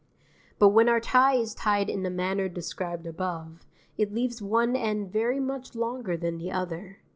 But when our tie is tied in the manner described above, it leaves one end very much longer than the other.